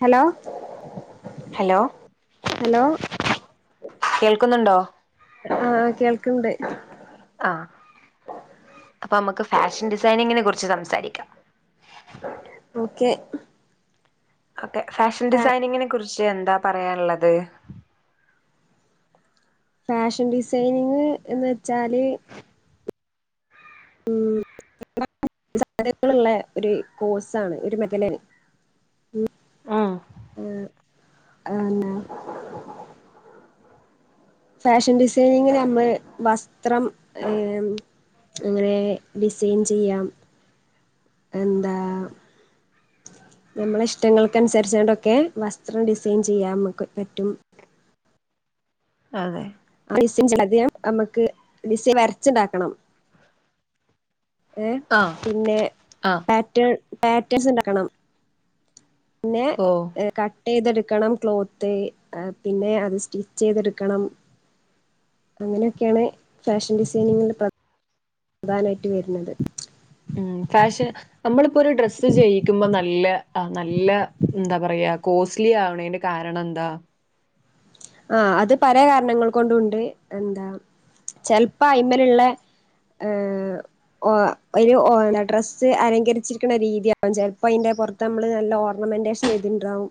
Hello hello hello കേൾക്കുന്നുണ്ടോ ആഹ് കേൾക്ക്ണ്ട് ആഹ് അപ്പമക്ക് ഫാഷൻ ഡിസൈനിങ്ങിനെ കുറിച്ച് സംസാരിക്കാം ഓക്കെ ഒക്കെ ഫാഷൻ ഫാ ഡിസൈനിങ്ങിനെ കുറിച്ച് എന്താ പറയാൻള്ളത് ഫാഷൻ ഡിസൈനിങ് എന്ന് വെച്ചാല് [unintelligible] സാനങ്ങള് ള്ളേ ഒര് കോഴ്സാണ് ഒരു മെഖലേന് ഉം ആന്നേ ഫാഷൻ ഡിസൈനിങ്ങിന് അമ്ള് വസ്ത്രം ഏം അങ്ങനെ ഡിസൈൻ ചിയ്യാം എന്താ നമ്മളെ ഇഷ്ടങ്ങൾക്ക ൻസര്ച്ചാ ണ്ടൊക്കെ വസ്ത്രം ഡിസൈൻ ചെയ്യാമക്ക് പറ്റും അതെ അഹ് ഡിസ്സൈൻ ചിയ്യാലത് യാം അമക്ക് ഡിസൈൻ വരച്ച്ണ്ടാക്കണം എഹ് ആഹ് പിന്നെ ആഹ് പാറ്റേൺ പേറ്റേഴ്സ് ണ്ടാക്കണം പ്ന്നെ ഓ ക ട്ടീത്ട്ക്കണം ക്ലോത്ത് അഹ് പിന്നെ അത് സ്റ്റിച്ചീത്ട്ക്കണം അങ്ങനെയൊക്യേണ് ഫാഷൻ ഡിസൈനിങ്ങില് പ്ര പ്രധാനായ്റ്റ് വര്ന്നത് ഉം കാഷ് നമ്മള്പ്പൊരു ഡ്രസ്സ് ജെയ്യിക്കു മ്പം ന ഇല്ല അഹ് നല്ല ന്താപറയാ കോസ് ലി ആവ്ണേയ്ന്റെ കാരണംന്താ ആഹ് അത് പല കാര്നങ്ങൾ കൊണ്ടുണ്ട് എന്താ ചെൽപ്പോ അയ്മല് ള്ളേ ഏഹ് ഓഹ് ഒരു ഒഹ് ഡ്രസ്സ് അലങ്കരിച്ചിര്ക്ണ രീതിയാകും ചെൽപ്പോയ്ന്റെ പൊർത്തമ്മള് നല്ല ഓർണമെന്റേഷ് ഞതിണ്ട്രാവും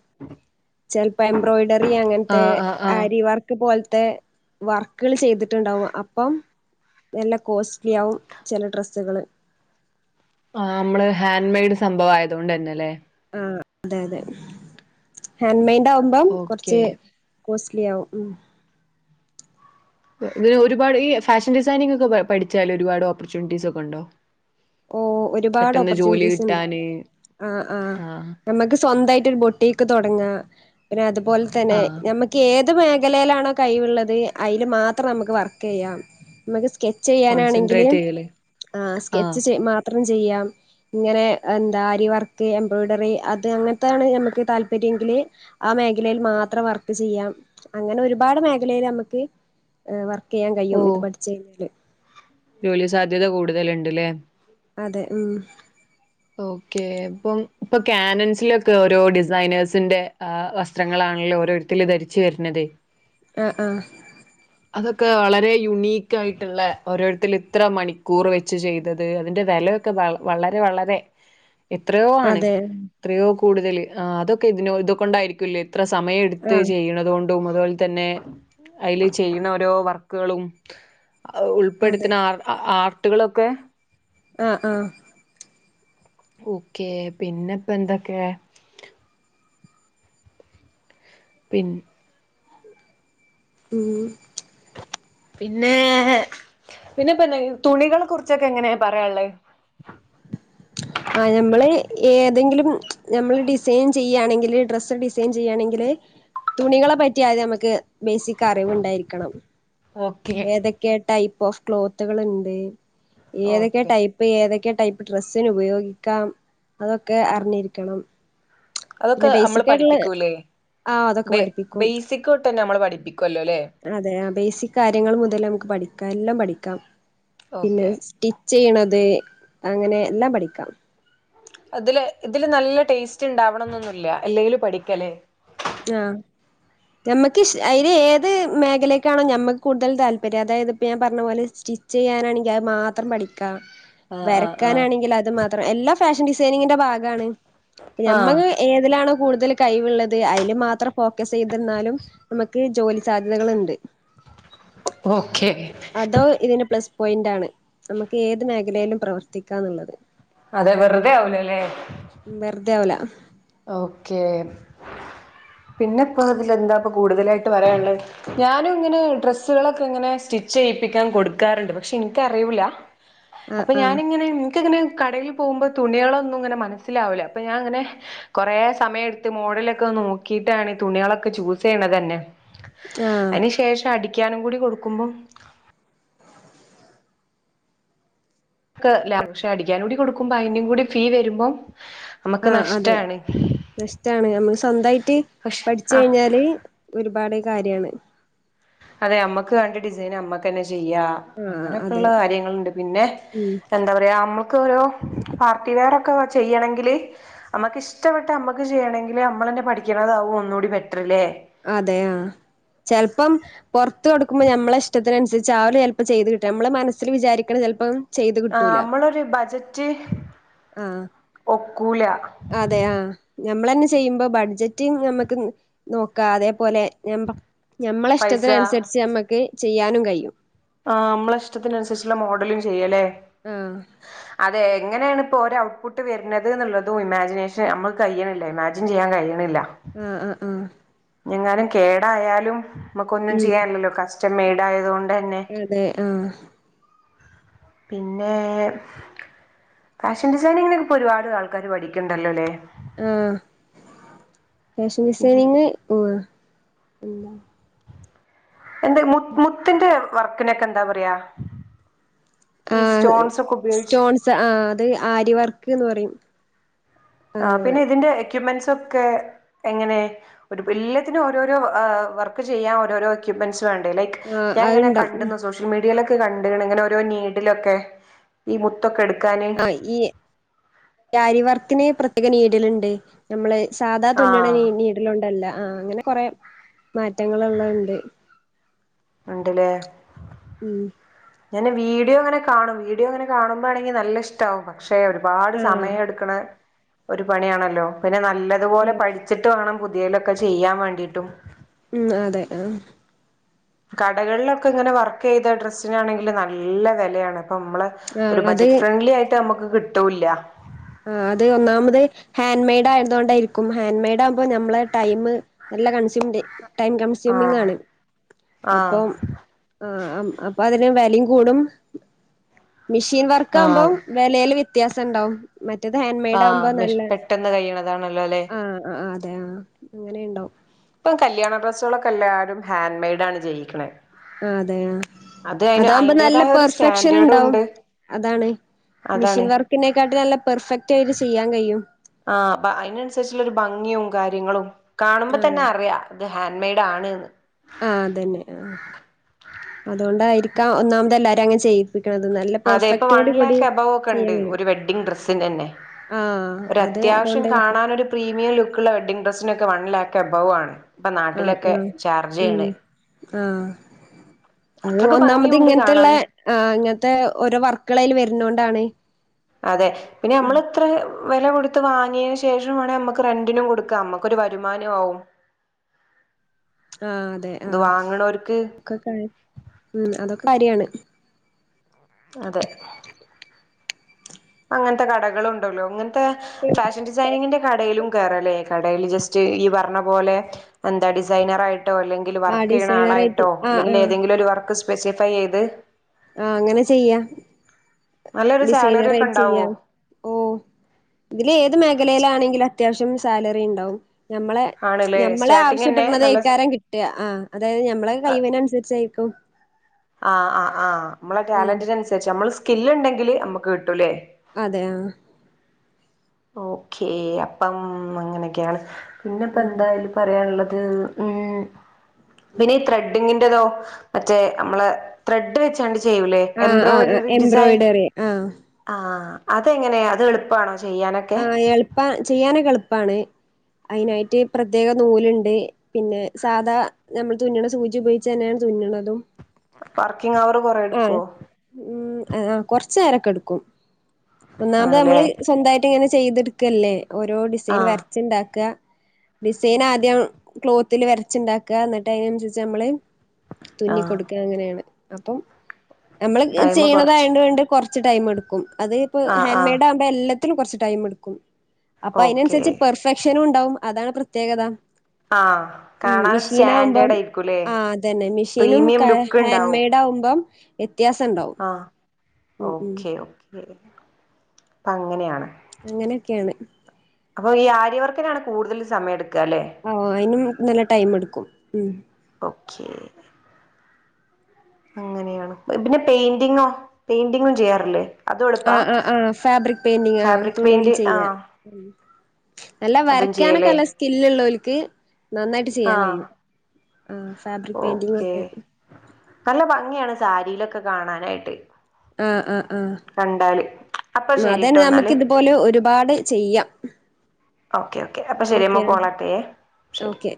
ചെൽപ്പ എംബ്രോയിഡറി അങ്ങൻത്തെ ആഹ് ആഹ് ആഹ് ഇവർക്ക് പോൽത്തെ വർക്കള് ചെയ്ത്ട്ട്ണ്ടാവും അപ്പം എല്ല കോസ് ലിയാവും ചെല ഡ്രസ്സുകള് ആഹ് മ്മള് ഹേൻ മേയ്ഡ് സംഭവാ യതോണ്ടന്നെലേ ആഹ് തെ അതെം ഹേൻമൈഡാവുമ്പം ഓക്കെ കൊർച്ച് കോസ് ലിയാവും ഉം തിന്ഒരുപാട് ഈ ഫാഷൻ ഡിസൈനിങ് ക്കെ പ പഠിച്ചാല് ഒരുപാട് ഓപ്പർ ചുൻറ്റീസൊക്കണ്ടോ ഓഹ് ഒരുപാട് ഓപ്പർചുൻറ്റീസ്ണ്ട് കിട്ടാന് ആഹ് ആഹ് നമുക്ക് സ്വന്തമായിട്ട് ഒരു ബൊട്ടിക്ക് തുടങ്ങാ. പിന്നെ അതുപോലെ തന്നെ ആഹ് നമ്മക്ക് ഏത് മേഖലയിലാണോ കൈവ് ള്ളത് അതിൽ മാത്രം നമുക്ക് വർക്ക് ചെയ്യാം. നമുക്ക് സ്കെച്ച് ചെയ്യാനാണെങ്കില് കോൺസെൻട്രേറ്റ് ചെയ്യല് ആ ആഹ് സ്കെച്ച് മാത്രം ചെയ്യാം. ഇങ്ങന എന്താ അരി വർക്ക് എംബ്രോയ്ഡറി അത് അങ്ങനത്താണ് നമുക്ക് താല്പര്യമെങ്കില്. ആ മേഖലയിൽ മാത്രം വർക്ക് ചെയ്യാം. അങ്ങനെ ഒരുപാട് മേഖലയിൽ നമുക്ക് വർക്ക് ചൊൻ കഴിയും ഇത് ഓഹ് പഠിച്ച കഴിഞ്ഞാല്. ജോലി സാധ്യത കൂടുതലുണ്ട്ല്ലേ? അതെ ഉം ഓക്കെ അപ്പം ഇപ്പൊ കാനൻസിലൊക്കെ ഓരോ ഡിസൈനേഴ്സിന്റെ ഏ വസ് സ്ത്രങ്ങളാണല്ലോ ഓരോരുത്ത ധരിച്ചു വരുന്നത്. അ അ [inaudible] അതൊക്കെ വളരെ യുൂണീക്ക്യയിട്ട്ള്ള. ഓരോരുത്തൽ ഇത്ര മണിക്കൂറ് വെച്ച് ചെയ്തത് അതിന്റെ വേല- ക്കെ വളരെ വളരെ. എത്രയോണ് അതെ എത്രയോ കൂടുതല്. അതൊക്കെ ഇതിനോ ഇതൊക്കെണ്ടായിരിക്കുല്ലേ. ഇത്ര സമയെടുത്ത് ആഹ് ചെയ്യണതുകൊണ്ടും. അതുപോല തന്നെ അതില് ചെയ്യണ ഓരോ വർക്കുകളും. ഔ അതെ ഉൾപ്പെടുത്തുണ ആ ആർട്ടുകളൊക്കെ. ആഹ് ആഹ് ഓക്കെ പിന്നപ്പ എന്തൊക്കെ? പിൻ ഉം പിന്നെപ്പാന്നാഹ തുണികളെ കുറിച്ചൊക്കെ എങ്ങനെ പറയാള്ളേ ആഹ് ഞമ്മള് ഏതെങ്കിലും ഞമ്മള് ഡിസൈൻ ചെയ്യണെങ്കില് ഡ്രസ്സ് ഡിസൈൻ ചെയ്യണെങ്കില്. തുണികളെ പറ്റി ആദ്യ നമക്ക് ബേസിക് അറിവുണ്ടായിരിക്കണം. ഓക്കെ ഏതൊക്കെയാ ടൈപ്പ് ഓഫ് ക്ലോത്തുകളുണ്ട്. ഏതൊക്കെ ഓക്കെ ടൈ- ഇപ്പേ ഏതൊക്ക്യ ടൈപ്പ് ഡ്രസ്സിനെ ഉപയോഗിക്കാം. അതൊക്കെ ആഹ് അർഞ്ഞി രിക്കണം. അതൊക്കെ നമ്മള് പഠിപ്പിക്കൂല്ലേ ആഹ് അതൊക്കെ ബേ പഠിപ്പിക്കും ബേസിക് തൊട്ടന്നെ നമ്മള് പഠിപ്പിക്കുല്ലല്ലേ? അതെ ആ ബേസിക് കാര്യങ്ങള് മുതല് നമക്ക് പഠിക്കാ എല്ലാം പഠിക്കാം. പിന്നെ ഓക്കെ സ്റ്റി - ചെയ്യണത് അങ്ങനെ എല്ലാം പഠിക്കാം. അതില് ഇതില് നല്ല ടേസ്റ്റ് ഇണ്ടാവണം എന്നൊന്നുല്ല എല്ലെലും പഠിക്കല്. ആഹ് ഞാമ്മക്ക് ഇഷ് അയില് ഏത് മേഖലേക്കാണോ ഞാമ്മക്ക് കൂടുതൽ താല്പര്യം. അതായത് ഇപ്പ്യ ഞാൻ പറഞ്ഞപോലെ സ്റ്റി- ച്ച് ചെയ്യാനാണെങ്കിൽ അത് മാത്രം പഠിക്കാം ആഹ് ആഹ് ആഹ് വരക്കാനാണെങ്കിൽ അത് മാത്രം എല്ലാ ഫാഷൻ ഡിസൈനിങ്ങിന്റെ ഭാഗമാണ്. ആഹ് ഞാമ്മക്ക്- ഏതിലാണോ കൂടുതൽ കൈവിള്ളത്. അയില് മാത്രം ഫോക്കസ് ചെയ്തന്നാലും നമക്ക് ജോലി സാധ്യതകള്ണ്ട്. ഓപ്പോക്കെ അതോ ഇതിനെ പ്ലസ് പോയിന്റാണ്. നമക്ക് ഏത് മേഖലെലും പ്രവർത്തിക്കാന്നുള്ളത്. അതെ വെറുതെ അവുലെല്ലെ? വൊറുതെഅവുല. ഓക്കെ പിന്നെപ്പോതിലെന്താപ്പ കൂടുതലായിട്ട് പറയാള്ളെ. ഞാനു ഇങ്ങനെ ഡ്രസ്സുകളൊക്കെ ഇങ്ങനെ സ്റ്റിച്ച് ചെയ്യിപ്പിക്കാൻ കൊടുക്കാറുണ്ട്. പക്ഷെ എനിക്കറിവൂല്ല. ആഹ് അപ്പ ആഹ് ഞാനിങ്ങനെ നിനക്ക്ങ്ങനെ കടയില് - പോമ്പോ തുണികളൊന്നും ഇങ്ങനെ മനസ്സിലാവില്ല. അപ്പ ഞാങ്ങനെ കൊറെ സമയം എടുത്ത്. മോഡിലൊക്കെ ഒന്ന് നോക്കിട്ടാണ്. ഈ തുണികളൊക്കെ ചൂസെയ്യണത് തന്നെ. ആഹ് അയ്ന് ശേഷം അടിക്ക്യാനും കൂടി കൊടുക്കുമ്പം ക്കെ ലാ പക്ഷെ അടിക്കാനുടി കൊടുക്കുമ്പ അയിനുകൂടി ഫീ വരുമ്പം നമുക്ക് ആഹ് അതെ നഷ്ടാണ് നഷ്ടാണ് നമ്മള് സ്വന്തായിട്ട് പക്ഷെ പഠിച്ച് ആഹ് കഴിഞ്ഞാല് ഒരുപാട് കാര്യാണ് അതെ അമ്മക്ക് വാണ്ടെ ഡിസൈന് അമ്മക്ക്ന്നെ ചെയ്യാം ആഹ് അതെ അങ്ങനെക്കെള്ള കാര്യങ്ങള്ണ്ട് പിന്നെ ഉം എന്താ പറയാ അമ്മക്ക് ഓരോ പാർട്ടി വെയർ ഒക്കെ ചെയ്യണെങ്കില് അമ്മക്ക് ഇഷ്ടപ്പെട്ട അമ്മക്ക് ചെയ്യണെങ്കില് അമ്മളന്നെ പഠിക്ക്ണതാവു ഒന്നുടിബെറ്റ്റ് ല്ലേ അതെ ആഹ് ചെൽപ്പം പൊർത്തുകൊടുക്കുമ്മ ഞമ്മളെ ഇഷ്ടത്തിനൻസരിച്ച് ആവ് ല ചെല്പ്പൊ ചെയ്ത് കിട്ട ഞമ്മള് മനസ്സില് വിചാരിക്കണ ചെൽപ്പം ആഹ് അമ്മളൊരു ബജറ്റ് ആഹ് ഒക്കൂല അതെ ആഹ് ഞമ്മളെന്നെ ചെയ്യുമ്പോ ബഡ്ജറ്റ് ഞമ്മക്ക് നോക്കാ അതേപോലെ ഞബാ ഞമ്മളെ പൈസ ഇഷ്ടത്തിനൻസരിച്ച് ഞാമ്മക്ക് ചെയ്യാനും കയ്യും ആഹ് അമ്മളെഷ്ടത്തിന് അനുസരിച്ചുള്ള മോഡലും ചെയ്യാല്ലേ ആഹ് അതെ എങ്ങനെണ് ഇപ്പോഓരെ ഔട്ട്പുട്ട് വെര്ണത് ന്നുള്ളതും ഇമാജിനേഷൻ അമ്മക്ക് കഴിയ്യ്ണില്ല ഇമാ ജിൻ ചെയ്യാൻ കയ്യ്ണില്ല ആഹ് ആഹ് ആഹ് ഞെങ്ങാനും കേടായാലും മ്മക്കൊന്നും ഉം ചെയ്യാൻല്ലല്ലോ കസ്റ്റംമെയ്ഡ് ആയതോണ്ട് തന്നെ അതെ ആഹ് പിന്നെ ഫാഷൻ ഡിസൈനിങ്ങിനൊക്കെ ഇപ്പൊ ഒരുപാട് ആൾക്കാര് പഠിക്ക്ൺണ്ടല്ലോല്ലേ ആഹ് ഫാഷൻ പിന്നെ ഡിസൈനിങ് എന്താ എന്താ മു മുത്തിന്റെ വർക്കിനൊക്കെ എന്താ പറയാ ഈ ആഹ് സ്റ്റോൺസ് ഒക്കെ ഉപയോഗിച്ച് സ്റ്റോൺസ് ആഹ് അത് ആരിവർക്ക്ന്ന് പറിം ആഹ് പിന്നെ ഇതിന്റെ എക്യുപ്മെന്റ്സ് ഒക്കെ എങ്ങനെ ഒരുപെ എല്ലത്തിന് ഓരോരോ വർക്ക് ചെയ്യാ ഓരോരോ എക്യൂപ്മെന്റ്സ് വേണ്ടേ ലൈക്‌ ആഹ് ഞാൻ ങ്ങനെ അത്ണ്ടാവും കണ്ട്ന്നു സോ സോഷ്യൽ മീഡിയേലൊക്കെ കണ്ട്ക് ണ് ഇങ്ങനെ ഓരോ നീഡിലൊക്കെ ഈ മു ത്തൊക്കെ എട്ക്കാന് ആഹ് ഈ ആരിവർക്കിന് പ്രത്യേക നീടിലിണ്ട് ഞമ്മള് സാധാ ആ തുന്നണ നീ നീട്ലോണ്ടല്ല ആഹ് അങ്ങനെ കൊറെ മാറ്റങ്ങള് ഉള്ളത് ഉണ്ട് ഉണ്ട് ലേ ഉം ഞാന് വീഡിയോ ങ്ങനെ കാണും വീഡിയോങ്ങനെ കാണുമ്പാണെങ്കി നല്ലെഷ് ഷ്ടാവും പക്ഷെ ഒരുപാട് ആഹ് സമയം എടുക്ക്ണെ ഒരു പണിയാണല്ലോ പിന്നെ ന നല്ലത്പോലെ ആഹ് പഠിച്ചിട്ട് വാണം പുത്യേയ്ലൊക്കെ ചെയ്യാൻ വേണ്ടിട്ടും ഉം അതെ ആഹ് കടകളിലൊക്കെ ഇങ്ങനെ വർക്കെയ്ത ഡ്രസ്സിനാണെങ്കിൽ നല്ല വെലയാണ് അപ്പൊ മ്മള് ആഹ് ഒരു അത് ബജറ്റ് ഫ്രണ്ട്ലി ആയിട്ട് ഞമ്മക്ക് കിട്ടൂ ല്ല ആഹ് അത് ഒന്നാമത് ഹാൻഡ് മെയ്ഡ് ആയത് കൊണ്ടായിരിക്കും ഹാന്ൻഡ് മെയ്ഡ് ആവുമ്പോ ഞമ്മളെ ടൈമ് നല്ല കൺസ്യുംണ്ട് ടൈം ആഹ് കൺസ്യൂമിംങ്ങാണ് ആഹ് അപ്പം ആഹ് അപ്പൊ അതിന് വെലിം കൂടും മിഷീൻ വർക്ക് ആവുമ്പോ ആഹ് വെലേല് വ്യത്യാസം ഉണ്ടാവും മറ്റേത് ഹാൻഡ് മെയഡ് ആഹ് ആവുമ്പോ മിഷ് നല്ലെ പെട്ടെന്ന് കഴിയണതാണല്ലോ അല്ലെ ആഹ് ആഹ് അത് അതെ ആഹ് അങ്ങനെയിണ്ടാവും പ്പൊ കല്യാണ ഡ്രസ്സുകളൊക്കെ എല്ലാവരും ഹാൻഡ് മെയ്ഡ് ആണ് ജെയ്യിക്ക്ണേ ആ അതെ ആ അത് അയ്ന് അതാകുമ്പോ നല്ല അയ്ന്റേതായ ഒരു പെർഫെക്ഷൻ സ്റ്റാൻഡേർഡും ഉണ്ടാവും ഉണ്ട് അതാണ് അതിനേക്കാട്ട് നല്ല പെർഫെക്ട് ആയിട്ട് ചെയ്യാൻ കഴിയും ആഹ് അ അതിനനുസരിച്ചുള്ള ഒരു ഭംഗിയും കാര്യങ്ങളും കാണുമ്പോ ആ തന്നെ അറിയാം അത് ഹാൻഡ് മെയ്ഡ് ആണ്ന്ന് ആഹ് അതന്നെ ആ അതുകൊണ്ടായിരിക്കാം ഒന്നാമത എല്ലാവരും അങ്ങെ ചെയ്യും അതെ ഇപ്പൊ വൺ ലാക്ക് എബവ് ഒക്കെ ഉണ്ട് ചെയ്യാൻ കഴിയും ഒരു വെഡ്ഡിങ് ഡ്രെസ്സിന് തന്നെ ആ ഒരു അത് അത്യാവശ്യം അതുകൊണ്ടായിരിക്കും കാണാൻ ഒരു പ്രീമിയം ലുക്കുള്ള വെഡ്ഡിങ് ഡ്രെസ്സിനൊക്കെ വൺ ലാക്ക് അബാവാണ് ആഹ് ആഹ് ഉം ആഹ് അത് അത്രക്ക് ഒന്നാമത് ഭംഗിയുണ്ട് ഇങ്ങൻത്തുള്ള കാണാന് ആ ഇങ്ങൻത്തെ ഓരോ വർക്കുകള അയ്ൽ വരുന്ന കൊണ്ടാണ് അതെ പിന്നെ നമ്മള അത്ര വില കൊടുത്ത് വാങ്ങിയതിനു ശേഷം വേണേ നമ്മക്ക് റെന്റിനും കൊടുക്കാ നമ്മുക്കൊ ഒരു വരുമാന ആവും ആഹ് അതെ ഇത് ആഹ് വാങ്ങണോർക്ക് ഒക്കെ ഉ അതൊക്കെ കാര്യാണ് അതെ അങ്ങൻത്തെ കടകളും ഉണ്ടല്ലോ അങ്ങൻത്തെ ഫാഷൻ ഡിസൈനിങ്ങിന്റെ കടയിലും കേറലേ ക ജസ്റ്റ് ഈ പറഞ്ഞ പോലെ എന്താ ഡിസൈനർ ആയിട്ടോ അല്ലെങ്കി ആഹ് വർക്ക് ചെയ്യണ ഡിസൈനറായിട്ട് ആളായിട്ടോ ആഹ് അല്ലെങ്കിൽ ആഹ് ഏതെങ്കിലും ഒരു വർക്ക് സ്പെസിഫൈ ചെയ്ത് ആഹ് അങ്ങനെ ചെയ്യാ നല്ലൊരു സാലറി ഡിസൈനർ ഒക്കെ ആയിട്ട് ഉണ്ടാവോ ചെയ്യാം ഓഹ് ഇതില് ഏത് മേഖലയിലാണെങ്കിലും അത്യാവശ്യം സാലറി ഉണ്ടാവും ഞമ്മളെ ആണ്ല്ലേ ഞമ്മളെ സ്റ്റാർട്ടിങ്ങന്നെ ആവശ്യപ്പെടണുന്നത് നല്ല എയ്ക്കാരം കിട്ട ആഹ് അതായത് ഞമ്മള കൈവിന അനുസരിച്ചായിരിക്കും ആഹ് ആഹ് ആ നമ്മളെ ഉം ടാലന്റിന് അനുസരിച്ച് നമ്മള് സ്കില്ല് ഉണ്ടെങ്കില് നമുക്ക് കിട്ടുംല്ലേ അതെ ആ ഓക്കേ അപ്പം അങ്ങനെയൊക്കെയാണ് പിന്നെപ്പ ഉം എന്തായാലും പറയാനുള്ളത് ഉം പിന്നെ ഈ ത്രെഡിങ്ങിന്റെതോ മറ്റേ നമ്മള് ത്രെഡ് വെച്ചാണ്ട് ചെയ്യൂലേ ആഹ് ആഹ് ആഹ് എംബ്രോയിഡറി ഡിസൈൻ എംബ്രോയ്ഡറി ആഹ് ആഹ് അതെങ്ങനെയാ അത് എളുപ്പമാണോ ചെയ്യാനൊക്കെ ആ എളുപ്പ ചെയ്യാനൊക്കെ എളുപ്പാണ് അതിനായിട്ട് പ്രത്യേക നൂലുണ്ട് പിന്നെ സാധാ നമ്മള് തുന്നുന്ന സൂചി ഉപയോഗിച്ചു തന്നെയാണ് തുന്നുന്നതും വർക്കിംഗ് അവറ് കുറെ എടുക്കോ ഉം കൊറച് നേരൊക്കെ എടുക്കും ഒന്നാമത് ആണല്ലേ നമ്മള് സ്വന്തമായി ട്ട് ഇങ്ങനെ ചെയ്തെടുക്കല്ലേ ഓരോ ഡിസൈൻ ആഹ് വരച്ചുണ്ടാക്കുക ഡിസൈൻ ആദ്യം ക്ലോത്തിൽ വരച്ചുണ്ടാക്കുക എന്നിട്ട് അതിനനുസരിച്ച് നമ്മള് ആഹ് തുന്നിക്കൊടുക്കുക അങ്ങനെയാണ് അപ്പം നമ്മള് ടൈമ് കൊറച്ച് ചെയ്യണതായത് കൊണ്ട് കുറച്ച് ടൈം എടുക്കും അത് ഇപ്പ ആഹ് ഹാൻഡ് ആഹ് മെയ്ഡ് ആകുമ്പോ എല്ലത്തിലും കുറച്ച് ടൈം എടുക്കും അപ്പൊ ഓക്കേ അതിനനുസരിച്ച് പെർഫെക്ഷനും ഉണ്ടാവും അതാണ് പ്രത്യേകത ആഹ് ഉം കാണാനൊരു മെഷീൻ ആകുമ്പം സ്റ്റാൻഡേർഡ് ആയിരിക്കൂല്ലേ ആ അതന്നെ മെഷീനും പ്രീമിയം ലുക്ക് ഹാൻഡ് ഉണ്ടാവും മെയ്ഡ് ആകുമ്പം വ്യത്യാസം ഉണ്ടാവും ഉം ഉം ഓക്കെ ഓക്കെ അപ്പ അങ്ങനെയാണ് അങ്ങനെയൊക്കെയാണ് അപ്പൊ ഈ ആര്യവർക്കിനാണ് കൂടുതൽ സമയം എടുക്കുക അല്ലെ ഓ അയിനും നല്ല ടൈം എടുക്കും ഉഹ് ഓക്കെ അങ്ങനെയാണ് പിന്നെ പെയിന്റിങ്ങോ പെയിന്റിങ്ങും ചെയ്യാറില്ലേ അതും എളുപ്പാ ആഹ് ആഹ് ആഹ് ഫാബ്രിക് പെയ്ന്റിംഗ് ആഹ് ഫാബ്രിക് തുണിയൽ പെയിന്റ് ആ ചെയ്യ നല്ല അതും വരക്കാനൊക്കെ ചെയ്യലേ നല്ല സ്കില്ലള്ളവർക്ക് നന്നായിട്ട് ആ ചെയ്യാൻ കഴിയും ആഹ് ഫാബ്രിക് പെയിന്റിംഗ് ഓക്കെ ഒക്കെ നല്ല ഭംഗിയാണ് സാരിയിലൊക്കെ കാണാനായിട്ട് ആഹ് ആഹ് ആഹ് കണ്ടാല് അപ്പൊ അതന്നെ ശരിട്ടോ നമക്ക് എന്നാല് ഇതുപോലെ ഒരുപാട് ചെയ്യാം ഓക്കെ ഓക്കെ അപ്പോം ശരി ഓക്കെ നമ്മൾ [unintelligible] ശരി ഓക്കെ.